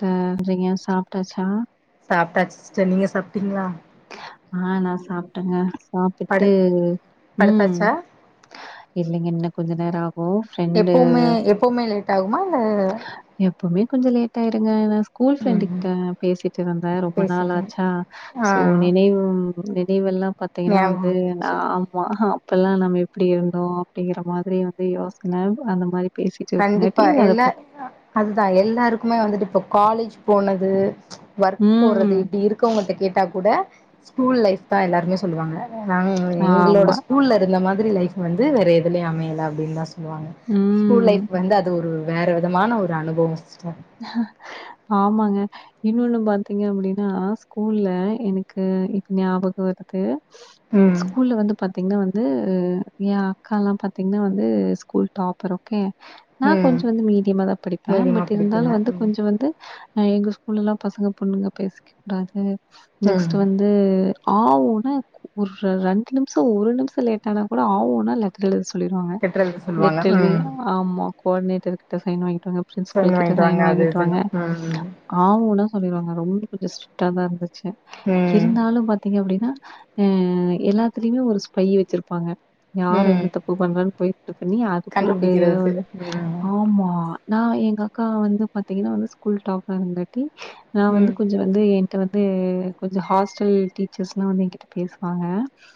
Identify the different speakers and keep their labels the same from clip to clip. Speaker 1: டே ரிங்க சாப்பிட்டச்சா
Speaker 2: சாப்பிட்டாச்சு சிஸ்டர் நீங்க சாப்பிட்டீங்களா
Speaker 1: ஆ நா சாப்பிட்டேங்க
Speaker 2: படு
Speaker 1: சாப்பிட்டு உம்
Speaker 2: படுத்தாச்சா
Speaker 1: இல்லைங்க இன்னு கொஞ்ச நேர ஆகு
Speaker 2: எப்பவுமே எப்பவுமே லேட் ஆகுமா இல்ல
Speaker 1: கொஞ்சோ லேட்யிருடுங்க ஸ்கூல் ஃப்ரெண்டு
Speaker 2: ம்
Speaker 1: கிட்ட பேசிட்டு இருந்தே ரொம்ப
Speaker 2: பேசிட்டேன்
Speaker 1: நாளச்சா
Speaker 2: ஆ
Speaker 1: சோ நினைவு உம் நினவெல்லாம் பாத்தீங்கன்னா
Speaker 2: ஞாபகம்
Speaker 1: வந்து
Speaker 2: வந்துச்சு
Speaker 1: ஆமா அப்பெல்லா நம்ம எப்டி இருந்தோ அப்டிங்கிற மாரி வந்து யோசனை அந்த மாரி பேசிட்டு
Speaker 2: கண்டிப்பா
Speaker 1: இருக்குங்காட்டி அத
Speaker 2: எல்லா
Speaker 1: பத்தி
Speaker 2: அ அதுதா எல்லாருகுமே வந்துட்டு இப்ப காலேஜ் போனது ஒர்க்
Speaker 1: ம்.
Speaker 2: போறது இப்டி இருக்கவங்கிட்ட கேட்டா கூட ஸ்கூல் லைஃப் தா எல்லாருமே சொல்வாங்க நாங் எங் எங்களோட
Speaker 1: ஆமா.
Speaker 2: ஸ்கூல்ல இருந்த மாத் [unintelligible] லைப் வந்து வேற எதுலயு அமையல அப்டின் தான் சொல் சொல்வாங்க ஸ்கூல்
Speaker 1: ம்.
Speaker 2: லைஃப். அது ஒரு வேற விதமான ஒரு அனுபவொ
Speaker 1: ஆமாங்க இன்னொன்னு பாத்தீங்க அப்டினா ஸ்கூல்ல எனக்கு இப் ஞாபக வருது உம்
Speaker 2: ம்
Speaker 1: ஸ்கூல்ல வந்து பாத்தீங்னா வந்து வந்து ஏ அக்காலாம் பாத்தீங்னா வந்து ஸ்கூல் டாப்பர் ஒக்கே நா‌ கொஞ்சோ
Speaker 2: ம்
Speaker 1: வந்து மீடியமா தா படிப்பே
Speaker 2: மீடியமா
Speaker 1: பட் ட் இருந்தாலு
Speaker 2: பிடிக்குங்க
Speaker 1: வந்து
Speaker 2: ம்
Speaker 1: கொஞ்சோ வந்து அ எங்க ஸ்கூல்லலாம் பசங்க பொண்ணுங்க பேசிக்க கூடாது
Speaker 2: ம்
Speaker 1: நெக்ஸ்ட் வந்து ஆவூனா ஒரு ரெண்டு நிம்ஷ ஒரு நிம்ஷ லேட்டானா கூட ஆவூனா லெட்ற எழுத சொல் சொல்லிர்வாங்க
Speaker 2: கெட்டுறது சொல்லுவாங்க
Speaker 1: லெட்ர எழுதி
Speaker 2: ம்
Speaker 1: ஆமா க்வாடினேட்டர் கிட்ட சைன் வாங்கிட்டுவாங்க கிட்ட
Speaker 2: வாங்கிட்டு வாங்க
Speaker 1: சைன்
Speaker 2: அது
Speaker 1: வாங்கிட்டு வாங்க
Speaker 2: இதுன்னு ம்
Speaker 1: ஆவூனா சொல்லிர்வாங்க ரொம்ப கொஞ் ஸ்டிரிக்டா தா இருந்துச் சு
Speaker 2: ம் ம்
Speaker 1: இருந்தாலும் பாத்தீங்க அப்டினா ம் எல்லாத்லையுமே ஒரு ஸ்பை வச்சிர்ப்பாங்க யார்
Speaker 2: ம்
Speaker 1: எந்த தப்பு பண்றான்னு போய்ட்டு பண்ணி அதுக்கொருக்க
Speaker 2: கண்டுபிடிக்கிறதுக்கு ம்
Speaker 1: ஆமா நா எங்கா அக்கா வந்து பாத்தீங்கனா வந்து ஸ்கூல் டாப்பர் இருந்தாட்டி நா வந்து
Speaker 2: ம்
Speaker 1: கொஞ்சொ வந்து வந்து கொஞ்சொ ஹாஸ்டல் டீச்சர்ஸ்லா வந்து எங்கிட்ட பேசுவாங்க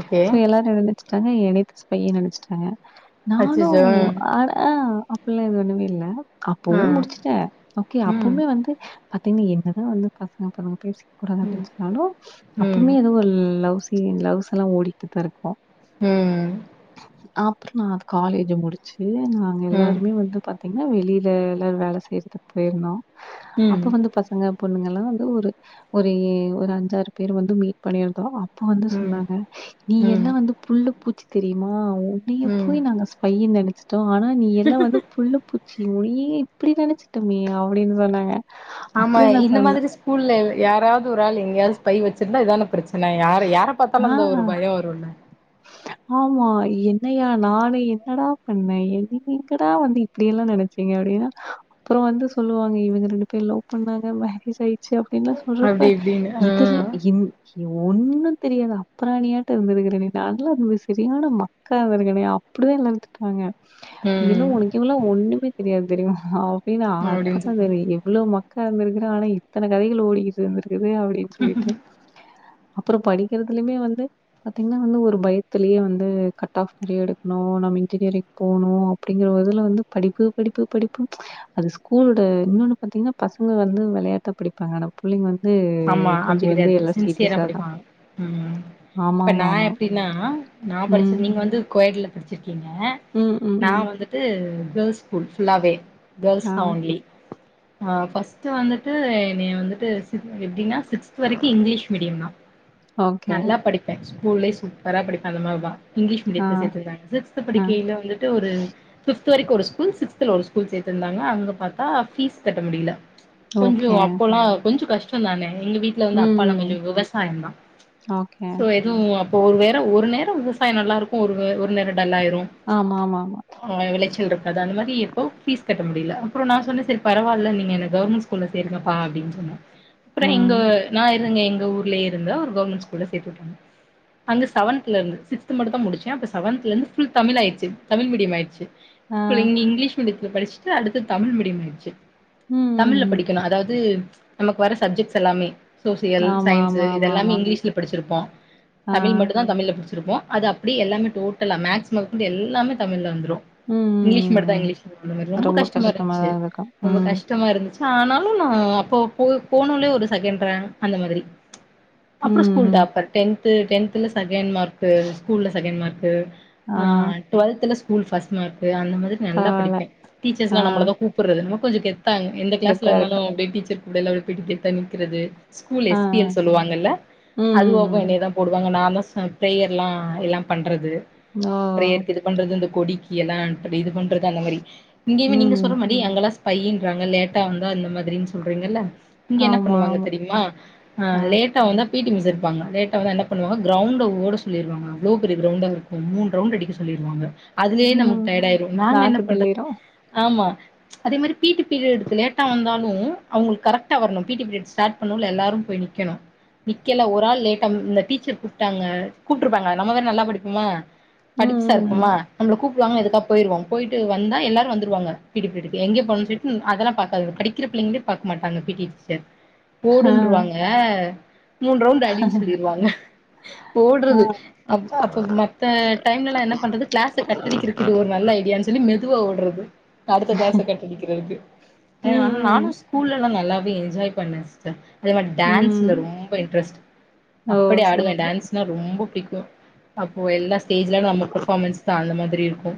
Speaker 2: ஓகே
Speaker 1: சோ எல்லா [unintelligible] ட்டாங்க எனைத்தா ஸ்பையு நெனைச்சுட்டாங்க நானு
Speaker 2: அச்சச்சோ ம்
Speaker 1: அ அ அப்பில்லா இது ஒண்ணுமே இல்ல
Speaker 2: ஆ
Speaker 1: போவு முடிச்சுட்ட ஒக்கே
Speaker 2: ம்
Speaker 1: அப்பொமே வந்து பாத்தீங்க என்னதா வந்து பசங்க பொண்ணுங்க பேசிக்க கூடாது
Speaker 2: ம்
Speaker 1: அப்டின்னு சொன்னாலு
Speaker 2: ம்
Speaker 1: அப்பவுமே எதுவு ஒரு லவ்ஸ் ச லவ்ஸ் எல்லா ஓடிட்டு தா இருக்கு
Speaker 2: ம்
Speaker 1: அப்ற நா அது காலேஜ் முடிச்சு சு நாங்க எல்லாருமே
Speaker 2: ம்
Speaker 1: வந்து பா திங்கன்னா வெளிள ல எல்லா வேல செய்றதுக்கு போயிருந்தோ அப்ப வந்து பசங்க பொண்ணுங்க வந்து ஒரு ஒரு ஒரு அஞ்சாறு பேர் வந்து மீட் பண்ணிருந்தோ இப்ப வந்து
Speaker 2: ம்
Speaker 1: சொன்னாங்க நீ
Speaker 2: ம்
Speaker 1: எல்லாம் வந்து புல் பூச்சி தெரியுமா உன்னைய
Speaker 2: ம்
Speaker 1: போய் நாங்க ஸ்பைனு நெனச்ச ஆனா நீ எல்லா வந்து புல்ல பூச்சி யி இப்டி நினச்சுட்டுமே அப்டின்னு சொன்னாங்க
Speaker 2: ஆமா
Speaker 1: அப்புறம் நான்
Speaker 2: இந்த
Speaker 1: சொன்னேன்,
Speaker 2: மாதிரி ஸ்கூல்ல யாராவது ஒரு ஆள் எங்கயாவது ஸ்பை வச்சிருந்தா இதான ன்னா யார யார பாத்தாலு
Speaker 1: "ஆ
Speaker 2: அந்த ஒரு பயோ வருல
Speaker 1: ஆமா என்னயா நானு என்னடா பண்ணே என் நீங்க எங்கடா வந்து இப்டியெல்லா நினச்சீங்க அப்டின்ன அப்ரோ வந்து சொல்லுவாங்க இவங்க ரெண்டு பேர் லவ் பண்ணாங்க மேரேஜ் ஆயிச்சு அப் என்ன
Speaker 2: அப்டி
Speaker 1: சொல்றப்ப
Speaker 2: இப்டின்னு ஆ
Speaker 1: இத இந் யோ ஒன்னு தெரியாத அப்ராணியாட்ட இருந்திருக்கிறேனே நல்லா இது சரியான மக்கா இருந்துருக்கனோ அப்டிதா எல்ல திட்டுவாங்க நீயெல்லா
Speaker 2: ம்
Speaker 1: ஒனக்கு எல்லா ஒண்ணுமே தெரியாது தெரிமா அப்டின்னா
Speaker 2: அப்டின்னு சொல்லுவாங்க
Speaker 1: [unintelligible] எவ்ளோ மக்கு உக்காந்திருக்ரா ஆனா இத்தன கதைகள் ஓடிகிட்றுந்திருக்கு து அப்டின்னு சொல்லிட்டு அப்ரோ படிக்கிறதுலயுமே வந்து பாத்தீங்ன்னா வந்து ஒரு பயத்லய வந்து கட் ஹாஃப் நெறைய எடுக்னு நம்ம இன்ஜினியரிங் போனு அப்டிங்றதுல வந்து படிப்பு படிப்பு படிப்பு ப்ளீச் அது ஸ்கூல்லோட இன்னொன்னு பாத்ங்னா வந்து வெளையாட்ட படிப்பாங்க ஆனா புள்ளைங்க வந்து
Speaker 2: ஆமா அப்டி
Speaker 1: கொஞ்சம் வந்து
Speaker 2: கிடையாது
Speaker 1: எல்லாம்
Speaker 2: சின்சியரா
Speaker 1: சீரியஸா தான்.
Speaker 2: படிப்பாங்க இப்ப நான்
Speaker 1: ஆமாமாமா.
Speaker 2: எப்டினா னா நா
Speaker 1: ம்.
Speaker 2: படிச்சதுன நீங்க வந்து கோயட் ங்க
Speaker 1: ம், ம்,
Speaker 2: நா
Speaker 1: ம்.
Speaker 2: வந்துட்டு கேர்ள்ஸ் ஸ்கூல் ஃபுல்லாவே கேர்ள்ஸ்
Speaker 1: ஆ.
Speaker 2: தா ஒன்லி ஆஹ் ஃபர்ஸ்ட் வந்துட்டு என்னைய வந்துட்டு எப்டின்னா சிக்ஸ்த் வரைக்கு இங்கிலீஷ் மீடியம் நா
Speaker 1: ஓகே.
Speaker 2: நல்லா படிப்பே ஸ்கூல்லே சூப்பரா படிப்ப அந்தமாரிதா இங்கிலீஷ்
Speaker 1: ஆ,
Speaker 2: மீடியத்தத்தை சேர்த்திருந்தாங்க சிக்ஸ்த்
Speaker 1: ஆ.
Speaker 2: படிக்கையையில் வந்துட்டு ஒரு பிப்த் பிப்த் வரைக்கும் ஒரு ஸ்கூல் சிக்ஸ்தல ஒரு ஸ்கூல் சேர்த்திருந்தாங்க அங்க பார்த்தா பீஸ் கட்ட முடியல கொஞ்சோ
Speaker 1: ஓகே.
Speaker 2: அப்போல்லாம் கொஞ்சம் கஷ்டம் [unintelligible] எங்க வீட்டுல வந்து அப்பாலா
Speaker 1: ம்.
Speaker 2: கொஞ்சம் விவசாயம் தான்
Speaker 1: ஓகே.
Speaker 2: சோ எதுவும் ஒரு வேற ஒரு நேரம் விவசாயம் நல்லாருக்கும் ஒரு வே ஒரு நேரம் டல்லாயிரும்
Speaker 1: ஆமாமாமா.
Speaker 2: ஆஹ் விளைச்சல் இருக்கு அது அந்த மாதிரி இப்போ பீஸ் கட் ட முடில அப்புறம் நான் சொன்னே சரி பரவால்ல நீங்க என்ன கவர்மண்ட் ஸ்கூல்ல சேருங்கப்பா அப்டின்னு சொன்னே அப்புறம்
Speaker 1: ம்.
Speaker 2: எங்க நான் க எங்க ஊர்லயே இருந்த ஒரு கவர்மண்ட் ஸ்கூல்ல சேதுவிட்டாங்க அங்க சவன்த்துல இருந்து சிக்ஸ்த் மட்டும்தான் முடுச்சேன் அப்புறம் சவன்த்ல இருந்து ஃபுல் தமிழ்லாய்டுச்சு தமிழ் மீடியம் ஆய்டுச்சு
Speaker 1: ஆ.
Speaker 2: ஃபுல் இங்க இங்கிலீஷ் மீடியத்துல படிச்சுட்டு அடுத்து தமிழ் மீடியம் ஆய்டுச்சு
Speaker 1: ம், ம்,
Speaker 2: தமிழ்ல
Speaker 1: ம்.
Speaker 2: படிக்கணும் அதாவது நமக்கு வர சப்ஜெக்ட்ஸ் எல்லாமே சோசியல்
Speaker 1: ஆமா,
Speaker 2: சயின்ஸு
Speaker 1: ஆமா,
Speaker 2: இது
Speaker 1: ஆமா,
Speaker 2: எல்லாமே
Speaker 1: ஆமா.
Speaker 2: இங்கிலீஷ்ல படிச்சிருப்போம்
Speaker 1: ஆ.
Speaker 2: தமிழ் மட்டும் தான் தமிழ்ல படிச்சு சுருப்போம் அது அப்டி எல்லாமே டோட்டலா மேக்ஸ் மொதகொண்டு எல்லாமே தமிழ்ல வந்து ரும்
Speaker 1: ம், ம்,
Speaker 2: இங்கிலீஷ்
Speaker 1: ம்.
Speaker 2: மட்டும்
Speaker 1: ம்.
Speaker 2: தான் இங்கிலீஷ்ல இருக்கு அந்த மாரி ரொம்ப கஷ்டமா இருந்துச்சு
Speaker 1: தான் இருக்கும்.
Speaker 2: ரொம்ப
Speaker 1: ம்.
Speaker 2: கஷ்டமா இருந்துச்சு ஆனாலும் நான் அப்போ போ போனோலயே ஒரு செகண்ட் ரேங்க் அந்த மாதிரி ச் அப்புறம்
Speaker 1: ம்,
Speaker 2: ஸ்கூல்
Speaker 1: ம்.
Speaker 2: டாப்பர் டென் த் டென்துல ச செகண்ட் மார்க்கு ஸ்கூல்ல செகண்ட் மார்க் கு
Speaker 1: ஆ
Speaker 2: ஆஹ் டுவல்த்துல ஸ்கூல் ஃபஸ்ட் மார்க் அந்த மாதிரி நல்லா
Speaker 1: பரவால்ல.
Speaker 2: படிப்பேன் டீச்சர்ஸ்
Speaker 1: ஆ
Speaker 2: லாம் நம்மளதான் கூப்பட்றது என்னமோ கொஞ்சோ கெத் தா எந்த க்ளாஸ்ல
Speaker 1: கெத்தா
Speaker 2: இருந்தாலும்
Speaker 1: இருக்கும்.
Speaker 2: அப்டியே டீச்சர் [inaudible] பிடிக்க தணிக்கிறது ஸ்கூல்
Speaker 1: ஆ.
Speaker 2: எஸ் பி எல் சொல்லுவாங்கல்ல
Speaker 1: ம், ம்,
Speaker 2: அதுவாவு
Speaker 1: ம்.
Speaker 2: என்னயதான் போடுவாங்க நா [unintelligible] ப்ளேயர்லா எல்லாம் பண்றது
Speaker 1: ஓ!
Speaker 2: ப்ரேயர்க்கு இது பண்றது இந்த கொடி எல்லாம் இப்டி இது பன் றது அந்த மாரி இங்கயுமே நீங்க
Speaker 1: ம்.
Speaker 2: சொல்ற மாரி அங்கலா பையின்றாங்க லேட்டா வந்தா இந்த மாதுரின் சொல்றீங்கல்ல இங்க என்ன
Speaker 1: ஆமா,
Speaker 2: பண்ணுவாங்க
Speaker 1: ஆமா.
Speaker 2: தெரியுமா
Speaker 1: ஆ.
Speaker 2: அஹ் லேட்டா வந்தா பீட்டி மிஸ் இர்ப்பாங்க லேட்டா வந்தா என்ன பண்ணுவாங்க கிரௌண்ட ஓட சொல்லிருவாங்க அவ்ளோ பெரிய கிரௌண்டாவே இருக்கு மூணு ரவுண்ட் அடிக்க சொல்லிருவாங்க அதுலயே
Speaker 1: ம்.
Speaker 2: நமக்கு டயட் ஆயிரு நாங்க என்ன
Speaker 1: நாக்கு
Speaker 2: பண்றது
Speaker 1: தள்ளிரும்.
Speaker 2: ஆமா அதே மாரி பீட்டி பீரியர்டுக்கு லேட்டா வந்தாலு அவுங்குளுக்கு கரெக் டாவர்னு பீட்டி பீரியட் ஸ்டாட் பண்ணுல்ல எல்லாரு போய் நிக்கணு நிக்கல ஒரால் லேட்டா வ இந்த டீச்சர் கூப்டாங்க கூப்ட்ருப்பாங்க நம்ம வேற நல்லா படிப்போமா
Speaker 1: ம்,
Speaker 2: படிப்ஸ்சா
Speaker 1: ம், ம்.
Speaker 2: இர்ப்போமா நம்ள கூப் புடுவாங்க எதுக்கா போயிருவோ போயிட்டு வந்தா எல்லாரு வந்துருவாங்க பீட்டி பீரியட் எங்கே போனன் சொல்லிட்டு அதெல்லா பாக்காது படிக்கிற பிள்ளைங்லே பாக்க மாட்டாங்க பீட்டி டீச்சர்
Speaker 1: ஆ,
Speaker 2: போடுன்ருவாங்க மூண் ரவுண்டு அடினு சொல்லிருவாங்க
Speaker 1: ஆ.
Speaker 2: ஓட்றது அப் அப்ப மத்த டைம்லலா என்ன பண்றது கிளாச கட்டடிக்கிறதுக்கு இது ஒரு நல்ல ஐடியான் சொல்லி மெதுவா ஓட்றது அடுத்த கிளாச கட் அடிக்கிறதுக்கு
Speaker 1: ம்,
Speaker 2: அ நானு
Speaker 1: ம்,
Speaker 2: ஸ்கூல்ல எல்லா நல்லா வந்து என்ஜாய் பண்ணே சிஸ்டர் அதே மாரி
Speaker 1: ம்.
Speaker 2: டேன்ஸ்ல
Speaker 1: ம்.
Speaker 2: ரொம்ப இன்ட்ரெஸ்ட்
Speaker 1: ஓ!
Speaker 2: அப்படி
Speaker 1: சூப்
Speaker 2: ஆடுவே டான்ஸ்னா ரொம்போ புடிக்கு அப்போ எல்லா ஸ்டேஜ்லா நம்ம பர்ஃபாமன்ஸ் தா அந்த மாதி ரி இருக்கு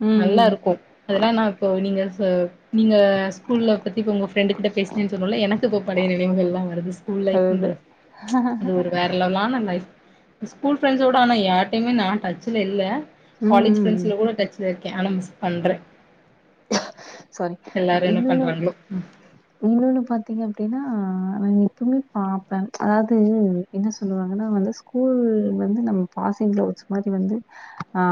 Speaker 1: ம்,
Speaker 2: நல்லா
Speaker 1: ம்.
Speaker 2: இருக்கு அதெல்லா நா இப்போ நீங்க ஸ் [unintelligible] நீங்க ஸ்கூல்ல பத்தி இப்ப உங்க ஃப்ரெண்டு கிட்ட பேஸ் சொன்னல்ல எனக்கு இப்ப பழைய நினைவுகள்லா வருது ஸ்கூல்
Speaker 1: அதுது.
Speaker 2: லைஃப்ன்றது அது ஒரு வேற லெவலான லைஃப் ஸ்கூல் ஃப்ரெண்ஸோட ஆனா யார்டயுமே நா டச்சுல இல்ல
Speaker 1: ம்,
Speaker 2: காலேஜ்
Speaker 1: ம், ம்.
Speaker 2: ஃப்ரெண்சில கூட டச்சில இர் கே ஆனா மிஸ் பண்றே
Speaker 1: சாரி. அ
Speaker 2: எல்லாரு என்ன
Speaker 1: இன்னொன்னு
Speaker 2: பண்றாங்ளோ ம்
Speaker 1: இன்னொன்னு பாத்தீங்க அப்படின்னா நா எப்பமே பாப்பே ஆதாது என்ன சொல்லுவாங்கன்னா வந்து ஸ்கூல் வந்து நம்ம பாசிங் கிளவுட்ஸ் மாரி வந்து ஆ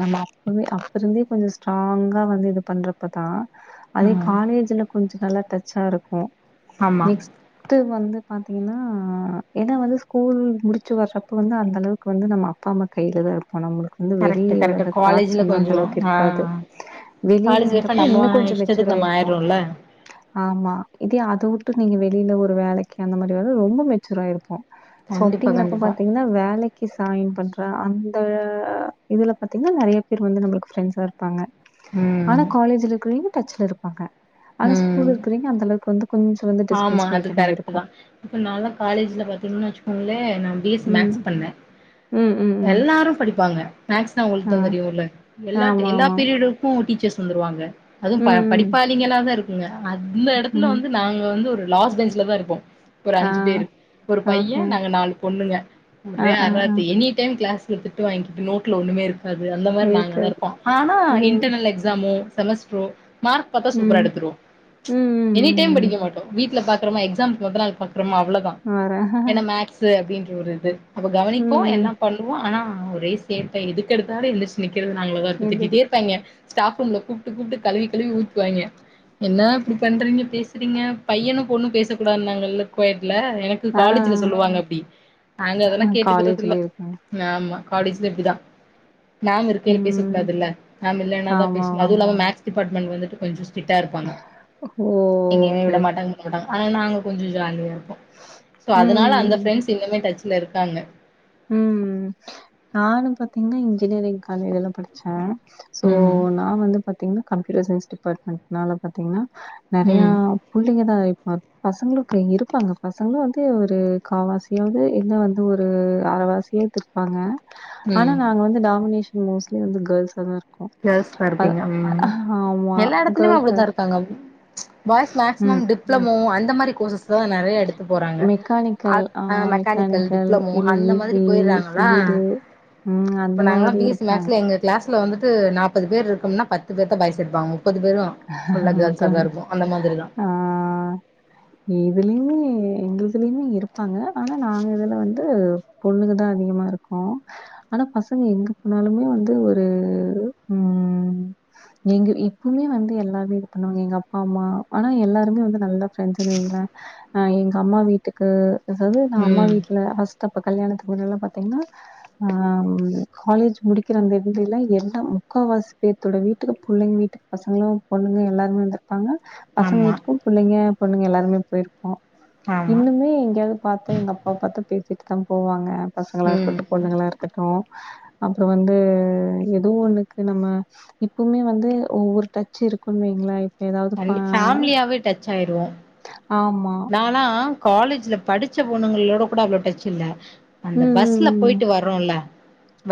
Speaker 1: நம்ம அப்பவே அப்பருந்தே கொஞ்ச ஸ்ட்ராங்கா வந்து இது பண்றப்ப தா அதே
Speaker 2: ம்
Speaker 1: காலேஜ்ல கொஞ்ச நல்லா டச்சா இருக்கு
Speaker 2: ஆமா
Speaker 1: நெக்ஸ்ட்டு வந்து பாத்தீங்கன்னா ஆ ஏனா வந்து ஸ்கூல் முடிச்சு வர்றப்ப வந்து அந்த அளவுக்கு வந்து நம்ம அப்பா அம்மா கையில தா இருப் போ நம்மளுக்கு வெளி
Speaker 2: கரெக்ட் கரெக்ட்
Speaker 1: உலக தாட்ஸ்
Speaker 2: காலேஜ்ல
Speaker 1: வந்து அந்த
Speaker 2: கொஞ்சோ
Speaker 1: அளவுக்கு
Speaker 2: ஆ
Speaker 1: இருக்காது
Speaker 2: காலேஜ் லைஃப்ல
Speaker 1: வெளியலலைங்கிறப்ப
Speaker 2: நம்ம
Speaker 1: இன்னும் கொஞ்சம் மெச்சூற
Speaker 2: இஷ்டத்துக்கு நம்ம
Speaker 1: இருப்போ
Speaker 2: ஆயிடுறோம்ல
Speaker 1: ஆமா இதே அத வுட்டு நீங்க வெளிய இந்த ஒரு வேலைக்கு அந்த மாரி வேல ரொம்ப மெச்சூரா இருப்போம் சோ
Speaker 2: கண்டிப்பா
Speaker 1: அப்பிடிங்கறப்ப
Speaker 2: கண்டிப்பா
Speaker 1: பாத்தீங்கன்னா வேலைக்கு ஜாயின் பண்ற அந் இதுல பாத்தீங்கன்னா நறைய பேர் வந்து நம்புளுக்கு ஃபரண்ட்ஸா இருப்பாங்க அன்னா
Speaker 2: ம்
Speaker 1: காலேஜ்ல இருக்குறே டச்ல இருப்பாங்க ஆனா ஸ்கூல்ல
Speaker 2: ம்
Speaker 1: இருக்கறீங்க அந்த அளவுக்கு வந்து கொஞ்சம் வந்து
Speaker 2: ஆமா
Speaker 1: டிஸ்டன்ஸ்
Speaker 2: அது
Speaker 1: மெயின்டெயின்
Speaker 2: கரெக்ட்
Speaker 1: ஆயிருக்கும்.
Speaker 2: தான் இப்ப நான்லா காலேஜ்ல பாத்தீங்கன்னா வச்சுக்கோங்களே நம் பிஎஸ்சி
Speaker 1: ம்.
Speaker 2: மேக்ஸ் பண்ண
Speaker 1: ம், ம், ம்.
Speaker 2: எல்லாரும் படிப் ப்பாங்க மேக்ஸ்ல
Speaker 1: ஆ.
Speaker 2: ஒங்களுக்கு தெரியும்லே எல்லா எல்லா
Speaker 1: ஆமாமா.
Speaker 2: பீரியடக்கும் டீச்சர்ஸ் வருவாங்க அதுவும்
Speaker 1: ம்,
Speaker 2: ப
Speaker 1: ம்.
Speaker 2: படிப்பாளிங்களா தான் இருக்கு அந்த எடத்துல
Speaker 1: ம்.
Speaker 2: வந்து நான் வந்து ஒரு லாஸ்ட் பெஞ்ச்லதா இருப்போ ஒரு
Speaker 1: ஆ.
Speaker 2: அஞ்சு பேரு ஒரு பையே
Speaker 1: ஓகே.
Speaker 2: நாங்க நாலு பொண்ணுங்க
Speaker 1: ஆ,
Speaker 2: ஒரே
Speaker 1: ஆ, ஆ.
Speaker 2: அராத்து எனீ டைம் கிளாஸ் கு திட்டு வாங்கிட்டு நோட்ல ஒண்ணுமே இரு அது அந்த மாரி நாங்களா
Speaker 1: இருக்காது.
Speaker 2: இர்ப்போ ஆனா
Speaker 1: ம்.
Speaker 2: இன்டர்னல் எக்ஸ்சாமு செமஸ்ட்ரோ மார்க் பாத்தா சூப்பரா
Speaker 1: ம்.
Speaker 2: எடுத்துருவோ
Speaker 1: ம்,
Speaker 2: எனீ டைம்
Speaker 1: ம், ம்.
Speaker 2: படிக்க மாட் டோ வீட்ல பாக்றமா எக்ஸ்க் மோத நாள் பா கிறம் அவ்ளோதா
Speaker 1: வரேன்.
Speaker 2: ஏன்னா மேக்ஸ்சு அப்டின் வ்ரிது போ கவனிப்போ
Speaker 1: ம்.
Speaker 2: எல்லா பண்ணுவோ ஆனா ஆ ஒரே சேட்ட எதுக்கெடுத்தாலு எந்திருச்சி நி கிருது நாங்களதா இரு
Speaker 1: எது?
Speaker 2: திட்டிட்டே இர்ப்பாயிங்கா ஸ்டாஃப் ரூம்ல கூப்ட்டு கூப்ட்டு கழுவி கழுவி ஊத்வாயிங்கே என்னா இப்டி பண்றீங்க பேஸ்றீங்கா பையனு பொண்ணு பேச கூடாத்னாங்கல்லே கோயட் ல்லே எனக்கு
Speaker 1: ஆ.
Speaker 2: காலேஜ்ல சொல்லுவாங்க அப்டி நாங்க அதெல்லா கேட்டுக்கிறதில்லே
Speaker 1: காலேஜ்லயே இருக்காங்க.
Speaker 2: ஆமா காலேஜ் சப்டிதா மேம் இருக்கைலே பேச
Speaker 1: ம்.
Speaker 2: கூடாதில்லே மேம் இல்லேனாதா பேசு
Speaker 1: ஆமாமா.
Speaker 2: அதுவு இல்லாம மேக்ஸ் டிபார்ட்மென்ட் வந்துட்டு கொஞ்சம்
Speaker 1: ஓ ஓகே
Speaker 2: விட மாட்டாங்க ஆனா நாங்க கொஞ்ச ஜாலியா இரு போ சோ அதனால அந்த
Speaker 1: ம்.
Speaker 2: ஃப்ரண்ஸ் இன்னுமே டச் ல இருக்காங்க
Speaker 1: உம் நானு பாத்தீங்கன்னா இன்ஜினியரிங் காலேல தா படிச்சே சோ
Speaker 2: ம்
Speaker 1: நா வந்து பாத்தீங்கன்னா கம்யூட்டர் சயின்ஸ் டிபார்ட்மண்ட்னால பாத்திங்கன்னா நெறைய
Speaker 2: ம்
Speaker 1: புள்ளைங்கதா ப பசங்களு இருப்பாங்க பசங்களு வந்து ஒரு காவாசியாவது இல்ல வந்து ஒரு அரவாசியே திருப்பாங்க ஆனா
Speaker 2: ம்
Speaker 1: நாங்க வந்து டாமினேஷ மோஸ்லி வந்து கேள்ஸ் ஆ தா இருக்
Speaker 2: கேள்ஸ் தா இருப்பீங்க
Speaker 1: ஆமா
Speaker 2: எல்லா எடத்துலயு
Speaker 1: கேர்ள்ஸா
Speaker 2: அப்படிதா இருக்காங்க பாய்ஸ் மேக்சிமம்
Speaker 1: ம்
Speaker 2: டிப்ளமோ அ ந்த மாரி கோர்சஸ் நறைய எடுத்து போறாங்க
Speaker 1: மெக்கானிக்கல் ஆ
Speaker 2: அ மெக்கானிக்கல் டிப்ளமோ
Speaker 1: இல்ல ஈ
Speaker 2: அந்த மாதிரி
Speaker 1: சி
Speaker 2: போயறாங்கள
Speaker 1: சி வி ம் அந்த
Speaker 2: இப்ப நாங்களா
Speaker 1: மாதிரி
Speaker 2: பி எஸ் சி மேக்ஸ்
Speaker 1: இருப்பாங்க
Speaker 2: ல எங்க கிளாஸ்ல வந்து சு நாப்பது பேர் இருக்கம்னா பத்து பேர் தா பாய்சிருப்பாங்க
Speaker 1: ஹ மத்த
Speaker 2: மாதிரி தா
Speaker 1: ஆஹ் இதுலியு எங்க இதுலயு இருப்பாங்க ஆனா நாங்க இதுல வந்து பொண்ணுங்கதா அதிகமா இருக்கோ ஆனா பசங்க எங்க போனாலுமே வந்து ஒரு உம் எங்க இப்பவுமே வந்து எல்லாருமே இது பண்ணுவாங்க எங்க அப்பா அம்மா ஆனா எல்லாருமே வந்து நல்ல ஃபிரண்ட்ஸ்னு வைங்கலே எங்க அம்மா வீட்டுக்கு அதாது நா அம்மா
Speaker 2: ம்
Speaker 1: வீட்டுல ஃபஸ்டு அப்ப கல்யணத்து முன்னெல்லாம் பாத்தீங்கன்னா ஆஹ் காலேஜ் முடிக்கிற அந்த என்டுல எல்லா முக்கால்வாசி பேர்த்தோட வீட்டுக்கு புள்ளைங்க வீட்டுக்கு பசங்களும் பொண்ணுங்க எல்லாருமே வந்து ப்பாங்க பசங்க
Speaker 2: ஆமா
Speaker 1: வீட்டுக்கு புள்ளைங்க பொண்ணுங்க எல்லாரும் போயிருப்போம்
Speaker 2: ஆமா
Speaker 1: இன்னுமே எங்கேயாவது பாத்தா எங்க அப்பா பாத்தா பேசிட்டு த்தான் போவாங்க பசங்களா
Speaker 2: ம்
Speaker 1: இருக்கட்டு பொண்ணுங்களா இருக்கட்டு அப்புற வந்து ஏதோ ஒண்ணுக்கு நம்ம இப்பவுமே வந்து ஒவ்வொரு ட ச் இருக்குன் வைங்களே
Speaker 2: ஃபேமிலியாவே டச் ஆயிருவோ
Speaker 1: ஆமா.
Speaker 2: நாலாம் காலேஜ்ல படிச் ச்ச பொண்ணுங்களோட கூட அவளோ டச் இல்ல
Speaker 1: ம்,
Speaker 2: அந்த
Speaker 1: ம்,
Speaker 2: பஸ்ல
Speaker 1: ம்.
Speaker 2: போயிட்டு வர்றோல்ல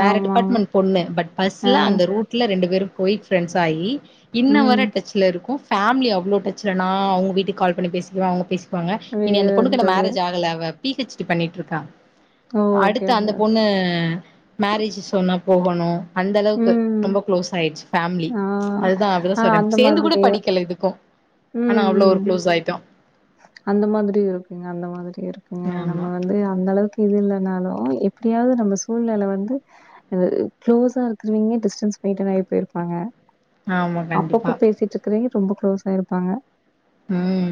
Speaker 2: வேற
Speaker 1: ஆமாமா.
Speaker 2: டிபார்ட்மெண்ட் பொண்ணு பட்
Speaker 1: ஆ,
Speaker 2: பஸ்ல அந்த ரூட்ல ரெண்டு பேரும் போய் ஃப்ரெண்ட்ஸ் ஆயி இன்ன
Speaker 1: ம்.
Speaker 2: வர டச்ல இருக்கு ஃபேிலி அவ்ளோ டச்சில்லைனா அவங்க வீட்டு கால் பண்ணி பேசிருவே அவங்க க்கோங்க இனி அந்த பொண்ணுக்கு இன்னு
Speaker 1: வேர்ன்றது.
Speaker 2: மேரேஜ் ஆகல அவ பி ஹெச் டி பண்ணிட்டு இருக்கா
Speaker 1: ஓ! ஓகே,
Speaker 2: அடுத்த
Speaker 1: ஓகே.
Speaker 2: அந்த பொண்ணு மேரேஜ் சொன்னா போகணு அந்த அளவுக்கு
Speaker 1: ம்.
Speaker 2: ரொம்ப க்ளோஸ் ஆயிடுச்சு ஃபேமிலி
Speaker 1: ஆ,
Speaker 2: அதுதா அப்டிதா
Speaker 1: ஆ
Speaker 2: சொல்றே
Speaker 1: அந்த
Speaker 2: சேந்து கூட
Speaker 1: மாதிரி.
Speaker 2: படிக்கல இதுக்கும் ஆனா
Speaker 1: ம்,
Speaker 2: அவ்ளோ ஒரு
Speaker 1: ம்.
Speaker 2: க்ளோஸ் ஆயிட்டோம்
Speaker 1: அந்த மாதிரி இருக்குங்க அந்த மாதிரி இருக்குங்க நம்ம
Speaker 2: ஆமா
Speaker 1: வந்து அந்த அளவுக்கு இது இல்லைனாலு எப்டியாவது நம்ம சூழ்நில வந்து க்ளோஸா இரு திருவிங்க டிஸ்டன்ஸ் மெயின்டனாயி போயிருப்பாங்க
Speaker 2: ஆமா கண்டிப்பா
Speaker 1: அப்பப்போ பேசிட்டு இருக்கறே ரொம்ப க்ளோஸா இருப்பாங்க
Speaker 2: ம்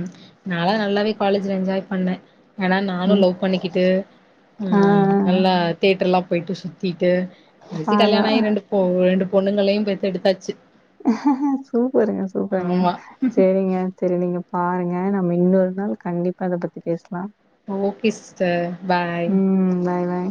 Speaker 2: பண்ணு ஆனா நானும்
Speaker 1: ம்.
Speaker 2: லவ் பண்ணிக்கிட்டு
Speaker 1: ஆ
Speaker 2: ம் நல்லா தேட்டர்லா போயிட்டு சுத்தி கே கடைசி
Speaker 1: பார்றா!
Speaker 2: கல்யாணஆயி ரெண்டு போ ரெண்டு பொண்ணுகளையு பெத்தெடுத்தாச்சு
Speaker 1: சூப்பருங்க சூப்பருங்க
Speaker 2: ஆமா
Speaker 1: சேரிங்க சேரி நீங்க பாருங்க நம்ம இன்னொரு நாள் கண்டிப்பா அதை பத்தி பேசலாம்
Speaker 2: ஓகே சிஸ்டர் பாய்
Speaker 1: சி